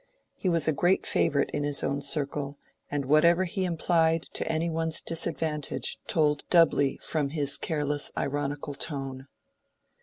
He was a great favorite in his own circle, and whatever he implied to any one's disadvantage told doubly from his careless ironical tone.